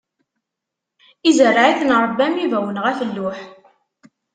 Izreɛ-iten Ṛebbi am ibawen ɣef lluḥ.